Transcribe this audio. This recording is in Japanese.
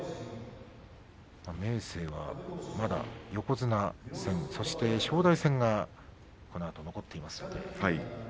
明生はまだ横綱戦そして正代戦がこのあと残っています。